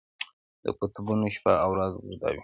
د قطبونو شپه او ورځ اوږده وي.